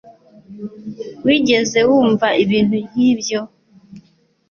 Wigeze wumva ibintu nkibyo?